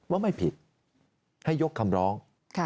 ว่าไม่ผิดให้ยกคำร้อง